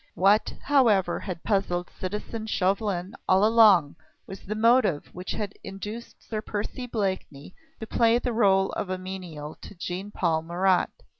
What, however, had puzzled citizen Chauvelin all along was the motive which had induced Sir Percy Blakeney to play the role of menial to Jean Paul Marat.